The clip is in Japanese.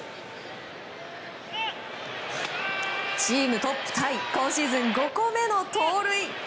チームトップタイ今シーズン５個目の盗塁。